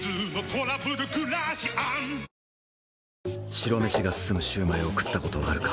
白飯が進むシュウマイを食ったことはあるか？